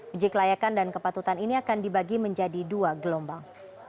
uji kelayakan dan kepatutan ini akan dibagi menjadi dua gelombang